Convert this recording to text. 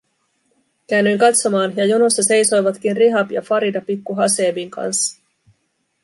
Käännyin katsomaan, ja jonossa seisoivatkin Rihab ja Farida pikku Haseebin kanssa.